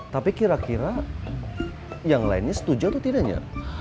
tapi kira kira yang lainnya setuju atau tidak ya